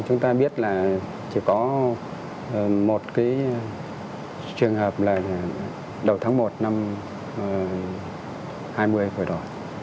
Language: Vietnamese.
chúng ta biết là chỉ có một cái trường hợp là đầu tháng một năm hai nghìn hai mươi rồi đó